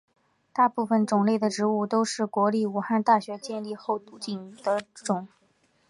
大部分种类的植物都是国立武汉大学建立后引种的。